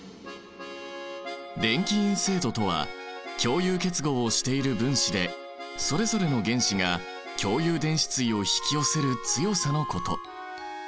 電気陰性度とは共有結合をしている分子でそれぞれの原子が共有電子対を引き寄せる強さのこと。